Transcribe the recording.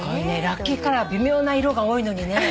ラッキーカラー微妙な色が多いのにね。